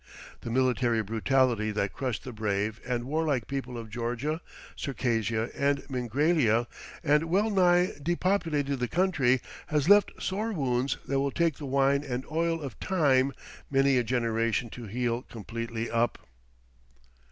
The military brutality that crushed the brave and warlike people of Georgia, Circassia, and Mingrelia, and well nigh depopulated the country, has left sore wounds that will take the wine and oil of time many a generation to heal completely up.